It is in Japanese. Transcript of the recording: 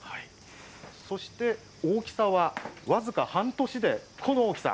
そして、大きさは僅か半年でこの大きさ。